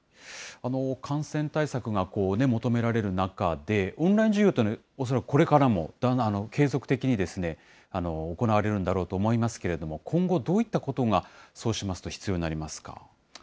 感染対策が求められる中で、オンライン授業というのは、恐らくこれからも継続的に行われるんだろうと思いますけれども、今後、どういったことが、そうしますと必要になりますか？